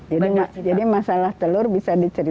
jadi mas jadi masalah telur bisa dicari